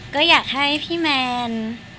ก็อยากให้พี่แมน